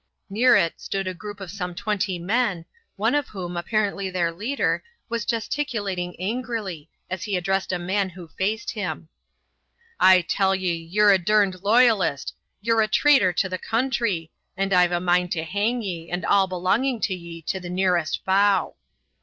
Near it stood a group of some twenty men, one of whom, apparently their leader, was gesticulating angrily as he addressed a man who stood facing him. "I tell ye, ye're a darned royalist ye're a traitor to the country, and I've a mind to hang ye and all belonging to ye to the nearest bough."